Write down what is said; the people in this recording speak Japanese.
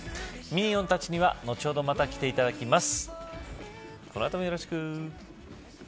ミニオンたちには後ほどまた来ていただきます。